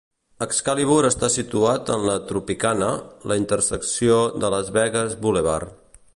Excalibur està situat en la Tropicana - La intersecció de Las Vegas Boulevard.